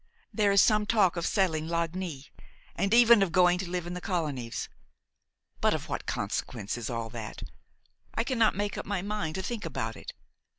There is some talk of selling Lagny, and even of going to live in the colonies. But of what consequence is all that? I cannot make up my mind to think about it.